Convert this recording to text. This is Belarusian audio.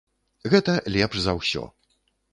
Гэта лепш за ўсё.